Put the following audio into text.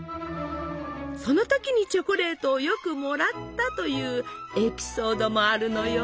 その時にチョコレートをよくもらったというエピソードもあるのよ！